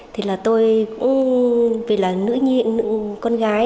thì là tôi cũng vì là nữ nhị con gái